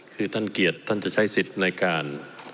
คือท่านเกียรติท่านจะใช้สิทธิ์ในการ